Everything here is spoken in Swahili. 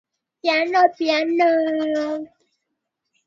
Macho yaliyoingia ndani